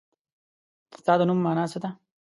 ستا د نوم مانا څه ده ؟